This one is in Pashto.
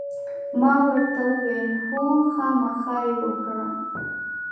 ما ورته وویل: هو، خامخا یې وکړه.